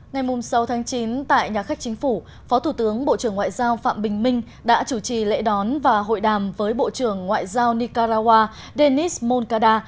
ngày sáu chín tại nhà khách chính phủ phó thủ tướng bộ trưởng ngoại giao phạm bình minh đã chủ trì lễ đón và hội đàm với bộ trưởng ngoại giao nicaragua denis moncada